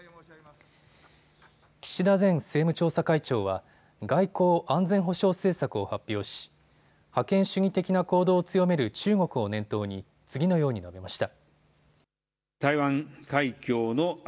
岸田前政務調査会長は外交・安全保障政策を発表し覇権主義的な行動を強める中国を念頭に次のように述べました。